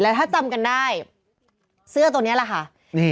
แล้วถ้าจำกันได้เสื้อตัวเนี้ยล่ะค่ะนี่